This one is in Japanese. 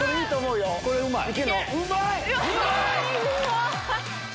うまい！